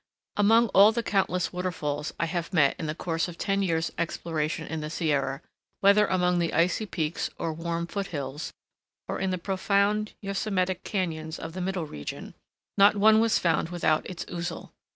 Among all the countless waterfalls I have met in the course of ten years' exploration in the Sierra, whether among the icy peaks, or warm foot hills, or in the profound yosemitic cañons of the middle region, not one was found without its Ouzel.